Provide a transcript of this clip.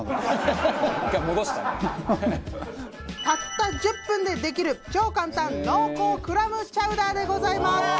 たった１０分でできる超簡単濃厚クラムチャウダーでございます！